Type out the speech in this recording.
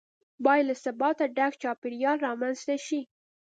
باید له ثباته ډک چاپیریال رامنځته شي.